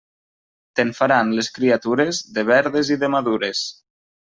Te'n faran, les criatures, de verdes i de madures.